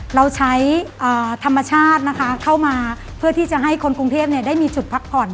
เราใช้ธรรมชาตินะคะเข้ามาเพื่อที่จะให้คนกรุงเทพได้มีจุดพักผ่อน